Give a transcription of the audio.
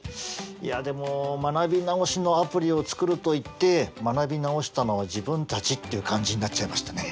いやでも学び直しのアプリを作るといって学び直したのは自分たちっていう感じになっちゃいましたね。